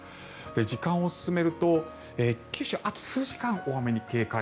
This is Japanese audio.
時間を進めると九州、あと数時間は大雨に警戒。